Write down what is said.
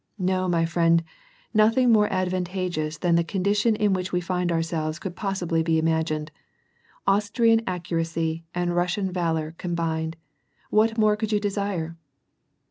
No, my friend, nothing more advantageous than the condition in whiclj we find ourselves could possibly be imagined. Austrian accuracy and Russian Valor combined ! what more could yoa desire